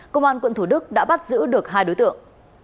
công an quận thủ đức đã bắt giữ được hai đối tượng